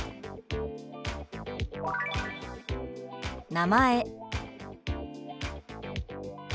「名前」。